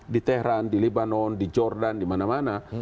di teheran di libanon di jordan di mana mana